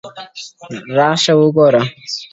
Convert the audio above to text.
خدایه څه کانه را وسوه، دا د چا آزار مي واخیست!.